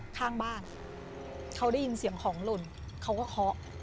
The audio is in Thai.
ข้างบ้านเขาได้ยินเสียงของหล่นเขาก็เคาะ